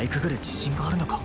自信があるのか⁉